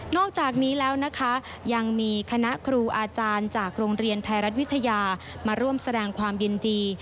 อกจากนี้แล้วนะคะยังมีคณะครูอาจารย์จากโรงเรียนไทยรัฐวิทยามาร่วมแสดงความยินดี